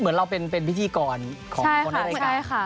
เหมือนเราเป็นพิธีกรของคนในรายการ